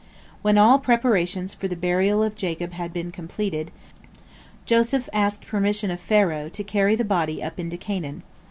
When all preparations for the burial of Jacob had been completed, Joseph asked permission of Pharaoh to carry the body up into Canaan.